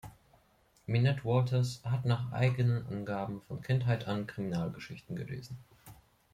Minette Walters hat nach eigenen Angaben von Kindheit an Kriminalgeschichten gelesen.